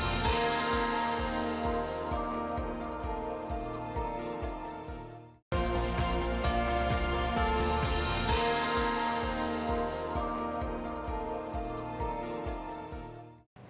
jadi ini harus dikompensasi